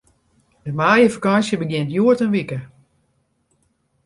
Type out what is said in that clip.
De maaiefakânsje begjint hjoed in wike.